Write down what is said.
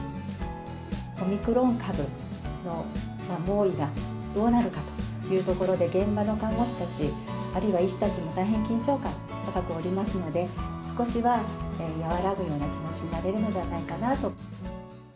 オミクロン株の猛威がどうなるかというところで、現場の看護師たち、あるいは医師たちも大変緊張感高くおりますので、少しは和らぐような気持ちになれるのではないかなと。